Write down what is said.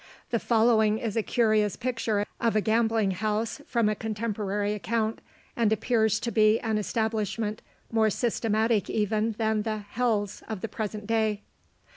The following is a curious picture of a gambling house, from a contemporary account, and appears to be an establishment more systematic even than the "Hells" of the present day.